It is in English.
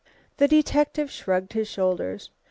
The detective shrugged his shoulders.